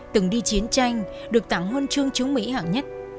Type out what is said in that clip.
từng đi chiến tranh được tặng hôn chương chứng mỹ hạng nhất